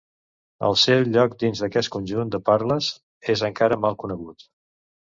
El seu lloc dins aquest conjunt de parles és encara mal conegut.